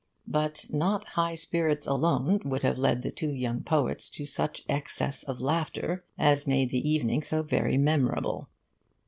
But not high spirits alone would have led the two young poets to such excess of laughter as made the evening so very memorable.